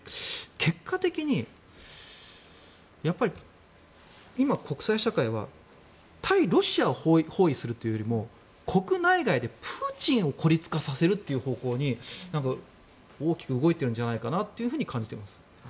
結果的にやっぱり今、国際社会は対ロシアを包囲するというよりも国内外でプーチンを孤立化させるという方向に大きく動いてるんじゃないかなと感じています。